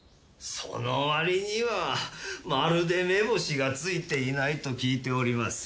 その割にはまるで目星がついていないと聞いております。